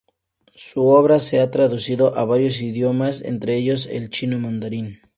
Su obra se ha traducido a varios idiomas, entre ellos el chino mandarín.